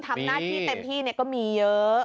ทำหน้าที่เต็มที่ก็มีเยอะ